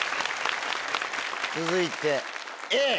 続いてＡ